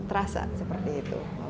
terasa seperti itu